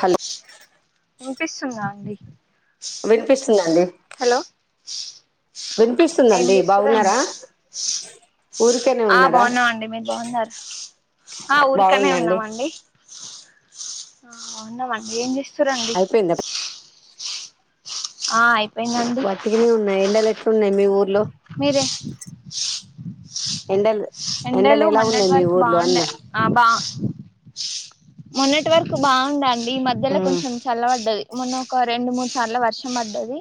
Hello వినిపిస్తుందా అండి వినిపిస్తుందండి హలో ఏం వినిపిస్తుందండి చేస్తురండి బాగున్నారా ఊరికేనే ఆ ఉన్నారా బావున్నామండి మీరు బావున్నార ఆ ఊరకనే బాగుందండి ఉన్నామండి ఆ బావున్నామండి ఏం చేస్తురండి అయిపోయిందా ఆ అయిపోయిందండి వట్టిగనే ఉన్నాయి ఎండలు ఎట్లున్నాయి మీ ఊర్లో మీరే ఎండలు ఎండలు ఎలా మొన్నటి ఉన్నాయి మీ వరకు ఊర్లో అన్న బాండే ఆ బా మొన్నటి వరకు బావుందండి ఈ మధ్యలో ఉమ్ కొంచెం చల్ల పడ్డది మొన్న ఒక రెండు మూడు సార్లు వర్షం పడ్ డ్డది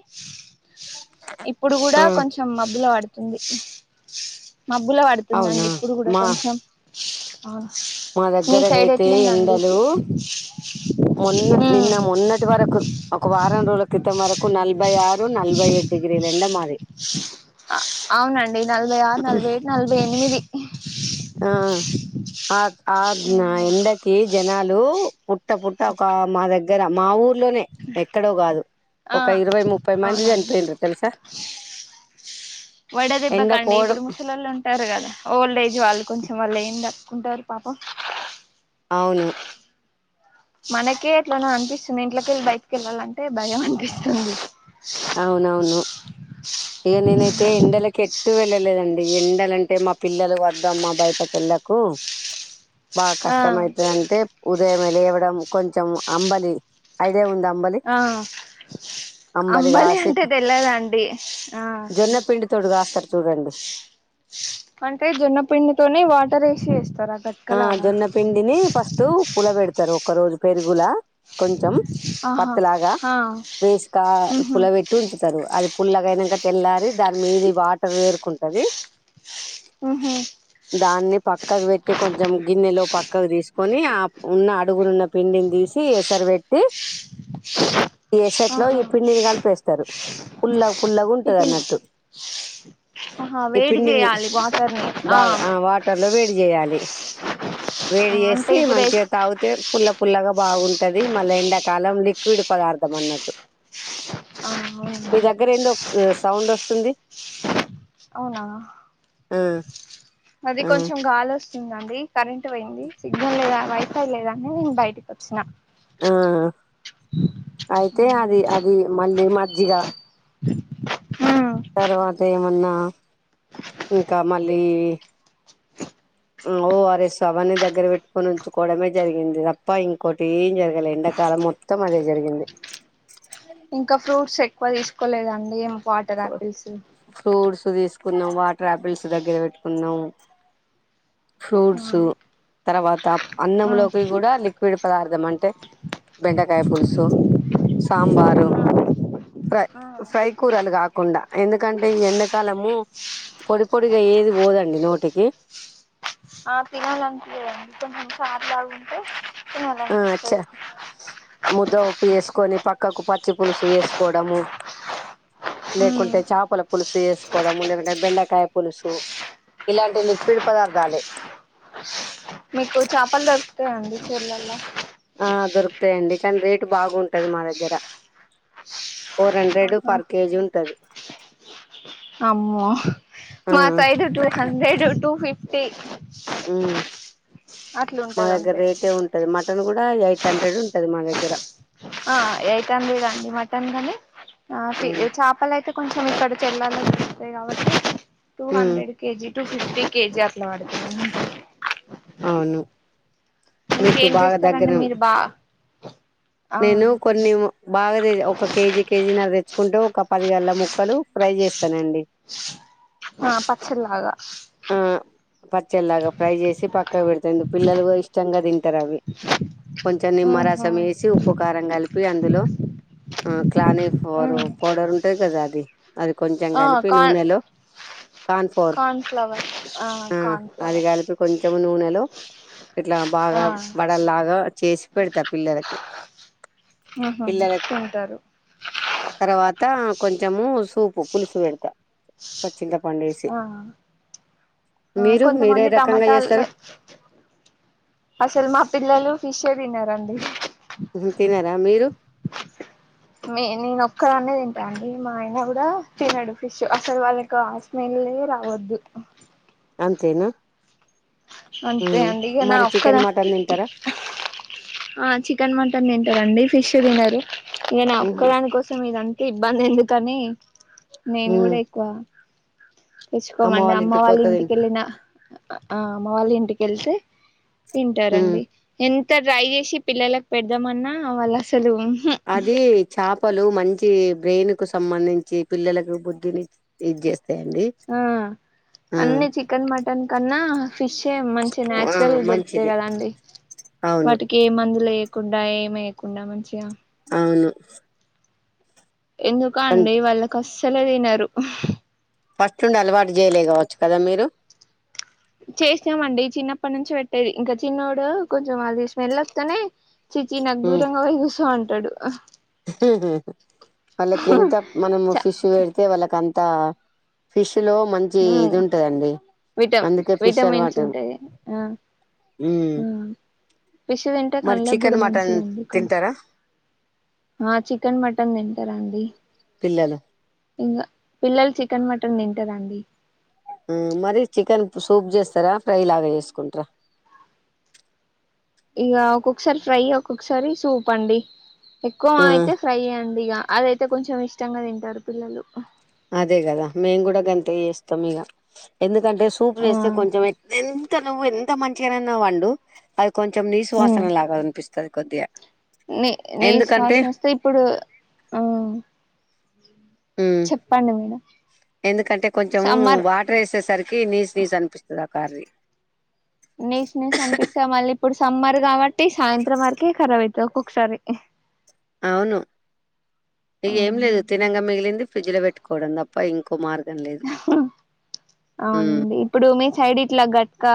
ఇప్పుడు కూడా ఆ కొంచెం మబ్బుల పడుతుంది మబ్బుల పడుతుందండి అవునా ఇప్పుడు కూడా మా కొంచెం మా మీ సైడ్ దగ్గరగయితే ఎట్లుందండి ఎండలు మొన్న నిన్న ఉమ్ మొన్నటి వరకు ఒక వారం రోజుల క్రితం వరకు నలభై ఆరు నలభై ఏ డిగ్రీల ఎండ మాది స అవునండి నలభై ఆరు నలభై ఏడ్ నలభై ఎనిమిది అ అద్ ఆ ఎండకి జనాలు పుట్ట పుట్ట ఒక మా దగ్గర మా ఊర్లోనే ఎక్కడో కాదు ఆ ఒక ఇరవై ముప్పై మంది చనిపోయిండ్రు తెలుసా ఎండ వడదెబ్బకండి కోవడం ఇప్పుడు ముసలోళ్ళు ఉంటారు కదా ఓల్డేజ్ వాళ్ళు కొంచెం వాళ్ళు ఎండ ఉంటారు పాపం అవును మనకే ఎట్లానో అనిపిస్తుంది ఇంట్లకెళ్ళి బయటికెళ్ళాలంటే భయం అనిపిస్తుంది అవునవును ఇగ నైనేతే ఎండలకె ట్టు వెళ్ళలేదండి ఎండాలంటే మా పిల్లలు వద్దు అమ్మ బయటకు వెళ్ళకు బాగా ఆ కష్టమైతదంటే ఉదయమే లేవడం కొంచెం అంబలి అయ్ ఆ అం అంబలి బలి కాసి అంటే తెల్లదా అండి ఆ జొన్న పిండి తోటి కాస్తారు చూడండి అంటే జొన్నపిండితోనే వాటర్ వేసి చేస్తారా ఆ గట్కలాగా జొన్న పిండిని ఫస్ట్ పుల బెడతారు ఒక రోజు పెరుగులా కొంచెం ఆహా పత్త లాగా ఆ రేసికా ఉహు పుల బెట్టి ఉంచుతారు అది పుల్లగయినాక తెల్లారి దాని మీద వాటర్ వేరుకుంటది ఉహు దాన్ని పక్కకు పెట్టి కొంచెం గిన్నెలో పక్కకు తీసుకొని ఆ ఉన్న అడుగునున్న పిండిని తీసి ఎసర పెట్టి ఈ ఎసట్లో ఆహా ఈ పిండిని కలిపేస్తారు పుల్ల పుల్లగా ఈ ఉంటది పిన్ అన్నట్టు ఆహా ఈ వేడి పిండిని చేయాలి వాటర్ని బాగా ఆ వాటర్ లో వేడి చేయాలి ఆ వేడి అంటే చేసి ఇప్పుడు ఎస్ మంచిగా తాగితే పుల్ల పుల్లగా బాగుంటది మళ్ళా ఎండాకాలం లిక్ క్విడ్ పదార్థం అన్నట్టు ఆ మీ అవునండి దగ్గర ఏందో సౌండ్ వస్తుంది అవునా ఆ అది ఆ కొంచెం గాలి వస్ స్తుందండి కరెంట్ పోయింది సిగ్నల్ లేద వైఫై లేదని నేను బయటికి వచ్చినా ఆ అయితే అది అది మళ్ళీ మజ్జిగ హ్మ్ తర్వాత ఏమన్నా ఇంకా మళ్ళీ ఒ ఆర్ ఎస్ అవన్నీ దగ్గర పెట్టుకొని ఉంచుకోడమే జరిగింది తప్ప ఇంకోటి ఏం జరగలే ఎండ కాలం మొత్తం అదే జరిగింది ఇంకా ఫ్రూట్స్ ఎక్కువ తీసుకోలేదండి వాటర్ ఆపిల్స్ ఫ్రూట్స్ తీసుకున్నాం వాటరేపిల్స్ దగ్గర పెట్టుకున్నాం ఫ్రూట్సు ఆ తర్వాత ఆ అన్నంలోకి కూడా లిక్విడ్ పదార్థం అంటే బెండకాయ పులుసు సాంబారు ఫ్రై ఆ ఫ్రై కూరలు కాకుండా ఎందుకంటే ఈ ఎండాకాలము పొడి పొడిగా ఏది పోదండి నోటికి ఆ తినాలనిపీయలేదండి కొంచెం సార్లా ఉంటే ఆ అచ్చ తినాలనిపిస్తది ముద్ద పప్పు చేసు ని పక్కకు పచ్చి పులుసు వేసుకోవడము హ్మ్ లేకుంటే చేపల పులుసు చేసుకోవడం లేకుంటే బెండకాయ పులుసు ఇలాంటి లిక్విడ్ పదార్థాలు మీకు చేపలు దొరుకుతాయండి ఊర్లల్లో ఆ దొరుకుతాయండి కానీ రేటు బాగుంటది మా దగ్గర ఫోర్ హండ్రెడ్ ఆహా పర్ కేజీ ఉంటది అమ్మో ఆ మా side two hundred two fifty ఉమ్ మా అట్లుంటది దగ్గర అంతే రేటే ఉంటది మట్ న్ కూడా ఎయిట్ హండ్రెడ్ ఉంటది మా దగ్గర ఆ ఎయిట్ హండ్రెడ్ ఆ అండి మటన్ కని ఆ ఉమ్ చేపల అయితే కొంచెం ఎక్కడకెళ్ళాలి బ టూ ఉమ్ hundred kg two fifty kg అట్లపడతాయి అవును మీకు ఇంకేం బాగా దగ్గర చేస్తారండి మీరు బా ఆ నేను కొన్ని బాగా తె ఒక కేజీ కేజీ న్నర తెచ్చు కుంటే ఒక పది గళ్ల ముక్కలు ఫ్రై చేస్తానండి ఆ పచ్చల్లాగా ఆ పచ్చడిలాగా ఫ్రై చేసి పక్క పక్కకుపెడితేండి పిల్లలు బో ఇష్టంగా తి పేరు అవి కొంచెం ఉహు నిమ్మరసం వేసి ఉప్పు కారం కలిపి అందులో ఆ క్లానీ ఫ్లోర్ ఉమ్ పౌడర్ ఉంటది కదా అది అది కొంచెం ఆ కలిపి కార్న్ నూనెలో కార్న్ ఫ్లోర్ ఫ్లవర్ ఆ మ్ కార్న్ అది ఫ్లవర్ కలిపి కొంచెం నూనెలో ఇట్లా బాగా ఆ వడల్లాగా చేసి పెడతా పిల్లలకి మ్ హా పిల్లల తింటారు తర్వాత కొంచము సూపు పులుసు పెడతా చింతపండేసి ఆ ఆ మీరు మీరే కొంతమంది రకంగా చేస్తారు టమాటాలే అసలు మా పిల్లలు ఫిషే తినరండి తినారా మీరు నేను ఒక్కదాన్నే తింటా అండి మా ఆయన కూడా తినడు ఫిష్ అస్సలు వాళ్ళకు ఆ స్మెల్ స్మెల్ రావద్దు అంతేనా అంతే అండి ఇగ నా మరి చికెన్ ఒక్కదాని మటన్ తింటారా ఆ చికెన్ మటన్ తిం టరండి ఫిష్ తినరు ఇక న ఒక్కదాని కోసం ఇదంత ఇబ్బంది ఎందుకని నేను కూడా ఎక్కువ తెచ్చుకోమండి అమ్మ వాళ్ళ ఇంటికెళ్ళిన ఆ అమ్మ వాళ్ళ ఇంటికెళ్తే తింటారండి ఎంత ట్రై చేసి పిల్లలకు పెడదామన్నా వాళ్ళు అసలు ఉహు అదే చాప లు మంచి బ్రెయిన్ కు సంబంధించి పిల్లలకు బుద్ధిని ఇదిజెస్త ఆ అన్ని చికెన్ మటన్ కన్నా ఫిషే మంచి ఆ న్యాచురల్ దొరుకుతయి మంచిది కదాండి అవును వాటికి ఏ మందులు వేయకుండా ఏం ఎయ్యకుండా మంచిగా అవును ఎందుకో అండి వాళ్ళకు అస్సలే తినరు ఫస్ట్ నుండి అలవాటు చేయలే కావచ్చు కదా మీరు చేసామండి చిన్నప్పటి నుంచి పెట్టేది ఇంకా చిన్నోడు కొంచెం అది స్మెల్ వస్తేనే ఛీఛీ నాకు దూరంగా పోయి కూస్సొఅంటాడు హుహువాళ్ళకి ఎంత మనము చ ఫిష్ అంతే వాల్లకంత ఫిష్ ఇటిలో మంచి ఇది ఉంటదండి విట అందుకే ఫిష్ విటమిన్స్ అలవాటు ఉంటాయి ఆ మ్ ఫిష్ తించె కళ్ళకి కూడా మంచిదండి కొంచెం తింటారా ఆ చికెన్ మటన్ తింటార అండి పిల్లలు ఇంకా పిల్లలు చికెన్ మటన్ తింటారా అండి మరి చికెన్ సూప్ చేస్తరా ఫ్రై లాగ చేసుకుంటార ఇక ఒక్కొక్కసారి ఫ్రై ఒక్కొక్కసారి సూప్ అండి ఎక్కువ మ్మ్ అయితే ఫ్రై అయ్యండి ఇక అదయితే కొంచెం ఇష్టంగా తింటారు పిల్లలు అదే కదా మేయిన్ కూడ గంతె చేస్తాం ఇగ ఎందు ఎంటే సూప్ ఆ చేస్తే కొంచం ఎంత నువ్వు ఎంత మంచిగా అయిన వండు అది కొంచెం నీసు వాసన లాగ అనిపిస్తది కొద్దిగా నీ నేస్ ఎందుకంటే వాసన వస్తే ఇప్పుడు ఆ మ్మ్ చెప్పండి మీరె ఎందుకంటే కొంచెము వాటర్ వేసేసరికి నీ స్ నీ స్ అనిపిస్తుంది ఆ కారీ నీస్ నీస్ అనిపిస్తే మళ్ళీ ఇప్పుడు సమ్మర్ కాబట్టి సాయంత్రం వరకే ఖరాబ్ అయితది ఒక్కొక్కసారి అవును ఇగేం లేదు తినంగా మిగిలింది ఫ్రిడ్జ్ లో పెట్టుకోవడం తప్ప ఇంకో మార్గం లేదు మ్మ్ అవునండి ఇప్పుడు మీ సైడ్ ఇట్ల గట్క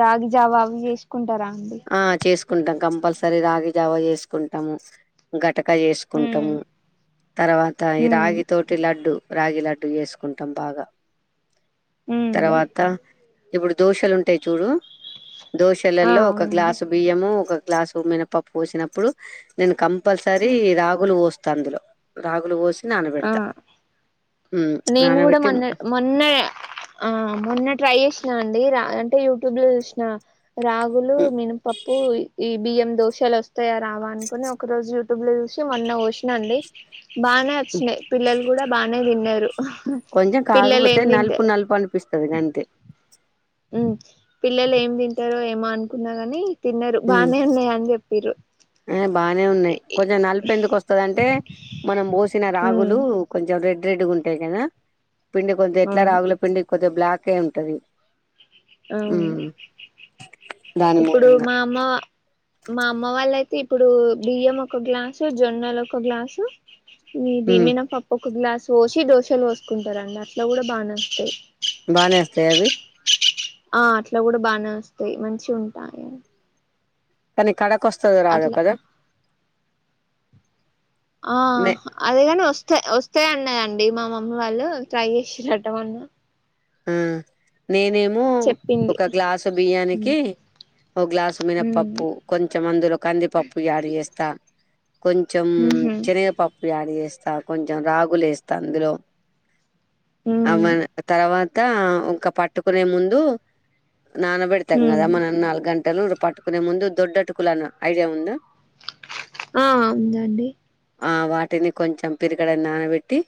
రాగి జావ అవి చేసుకుంటార అండి కుంటాం కంపల్సరీ రాగి జావ చేసుకుంటాము గట్ టక ఉమ్ చేసుకుంటాము తర్వాత ఈ ఉమ్ రాగి తోటి లడ్డు రాగి లడ్డు చేసుకుంటాం బాగ ఉమ్ తర్వాత ఇప్పుడు దోశలుంటాయి చూడు ఆ దోశలలో ఒక అవునండి గ్లాసు బియ్యము ఒక గ్లాసు మినపప్పు పోసినప్పుడు నేను కంపల్సరీ రాగులు పోస్ స్త అందులో రాగులు పోసి నానబెడతా ఉమ్, నేన్ కూడ నానబెట్టి మొన్న ఉమ్, మొన్నె ఆ మొన్న ట్రై చేసినాండి డి అ అంటే యూట్యూబ్ లో చూసి నా రాగులు మినపప్పు బియ్యం దోశలు వస్తాయా రావా అనుకుని ఒక రోజు యూట్యూబ్ లో చూసి మన్న పోసినండి బా ఉమ్, పిల్లలు కూడా బానే తిన్నారు కొంచం పిల్లలు కాకపోతే ఏం తింటే నలుపు నలుపు అనిపిస్తుంది అంతే ఉ పిల్లలు ఏం తింటారో ఏమో అనుకున్నా గాని తిన్నరు బానే ఉన్నాయా అని చెప్పిరు ఆ బానే ఉన్నాయి కొంచెం నలుపు ఎందుక్ వస్తుందంటే మనం పోసిన ఉమ్ రాగులు కొంచెం రె రెడ్డుగా ఉంటాయి కదా పిండి కొద్దిత ఎట్ల అవును రాగులో పిండి కొద్ది బ్లాక్ అయి ఉంటది అవును. ఉమ్ దాని ఇప్పుడు మూలంగా మా అమ్మ మా అమ్మ వాళ్ళయితే ఇప్పుడు బియ్యం ఒక గ్లాసు జొన్నలు ఒక గ్లాసు ఈ ఉమ్ మినపప్పు ఒక గ్లాస్ పోసి దోశలు పోసుకుంటారండి అట్ల కూడా బానె వస్తాయి బానేవస్తాయ అవి ఆ అట్ల కూడ బానే వస్తాయి మంచి ఉంటాయి కానీ కడక వస్తుంది రాదు అట్లా కదా ఆ మే అదే కాని వస్తే వస్తే అన్న యండి అండి మా మమ్మీ వాళ్ళు ట్రై చేసిరట మొన్న ఉమ్ నేనేమో చెప్పింది ఒక గ్లాసు బియ్యానికి ఒక గ్లాసు ఉమ్ మినపప్పు కొంచం అందులో కందిపప్పు యాడ్ చేస్తా కొంచం ఉహు శనగపప్పు యాడ్ చేస్తా కొంచెం రాగులు వేస్తా అందులో ఉమ్ ఆమె తర్వాత ఇంకా పట్టుకునే ముందు నానబెడతాం కదా ఉమ్ మనం నాలుగుగంట లు పట్టుకునే ముందు దొడ్డ అటుకులును ఐడియా ఉందా ఆ ఉందండి ఆ వాటిని కొంచెం పిడికెడు నానబెట్టి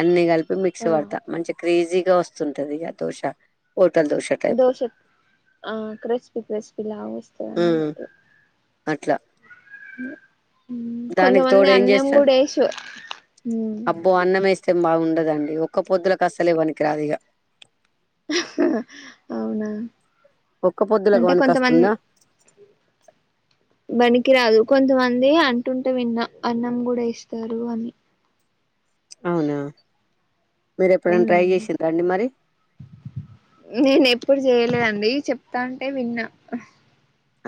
అన్ని కలిపి మిక్సీ ఆ పడతా మంచి క్రేజీ వస్తుంటది ఇక దోశ హోటల్ టైపు దోశ ఆ క్రిస్పి క్రస్పీ లాగా వస్తాది ఉమ్ అన్నామట అట్లా దానికి కొంతమంది తోడు ఏం అన్నం చేస్తారు కూడా వేస అబ్బో అన్నం వేస్తే బాగుండదండి ఒక్క పొద్దులకు అసలే వనికిరాదు ఇక అవునా ఒక్క పొద్దుల కు అంటే పనికి క కొంతమంది వస్తుందా బనికి రాదు కొంతమంది అంటుంటే విన్న అన్నం కూడా వేస్తారు అని అవునా మీరు ఎప్పుడైనా ట్రై చేసిండ్రాఅండి మరి నేను ఎప్పుడు చేయలేదండి చెప్తా అంటే విన్నా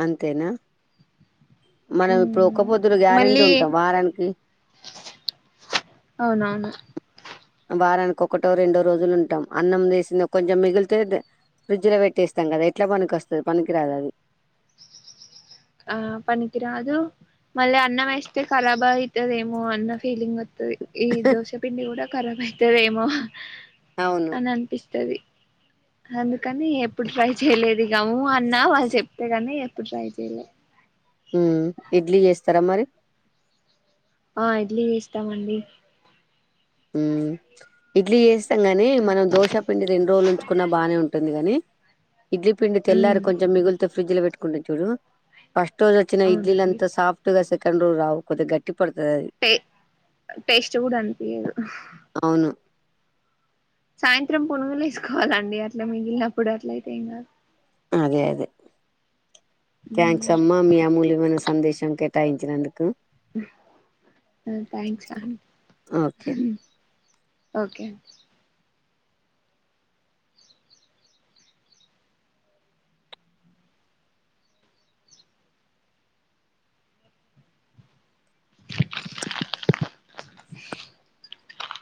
అంతేనా మనం ఇప్పుడు ఒక పొద్దులు గ్యారెంటీ మళ్ళీ ఉంటాం వారానికి అవునవును వారానికి ఒకటో రెండో రోజులు ఉంటాం అన్నంచేసింద కొంచెం మిగిలితే ఫ్రిడ్జ్ లో పెట్టేస్తాం కదా ఎట్లా పనికోస్తది పనికిరాదు అది ఆ పనికిరాదు మళ్ళ అన్నం వేస్తే కరాబు అయితదేమో అన్న ఫీలింగ్ ఈ దోశపిండి కూడా ఖరాబ్ అయితదేమో అవును అని అనిపిస్తది అందుకని ఎప్పుడు ట్రై చేయలేదు ఉ అన్నా వాళ్ళు చెప్తేగానీ ఎప్పుడు ట్రై చెయలే ఉమ్ ఇడ్లీ చేస్తారా మరి ఆ ఇడ్లీ వేస్తామండి ఉమ్ ఇడ్లీ చేస్తాం గాని మనం దోశ పిండి రెండు రోజులు ఉంచుకున్న బానే ఉంటుంది గానీ ఇడ్లీ పిండి తెల్లారి ఉమ్ కొంచెం మిగిలితే ఫ్రిడ్జ్ లో పెట్టుకుంట చూడు ఫస్ట్ రోజు వచ్చిన అవునండి ఇడ్లీలంతా సాప్ట్ గా సేకండ్ రోజు రావ్ కొద్ది గట్టి పడుతది అది టే టేస్ట్ కూడా అనిపియదు అవును సాయంత్రం పునుగులు వేసుకోవాలండి అట్లా మిగిలినప్పుడు అట్ల అయితే ఏం కావ్ అదే అదే థ్యాంక్స్ కాదు అమ్మా మీ అమూల్యమైన సందేశం కే కేటయించినందుకు థ్యాంక్స్ అం ఓకే హు హుమ్మ్ ఓకే